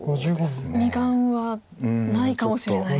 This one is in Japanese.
２眼はないかもしれない。